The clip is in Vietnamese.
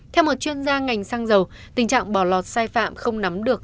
theo một chuyên gia ngành xăng dầu tình trạng bỏ lọt sai phạm không nắm được